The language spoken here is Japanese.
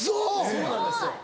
そうなんですよ。